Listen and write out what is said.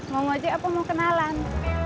mau ngajak apa mau kenalan